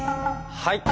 はい！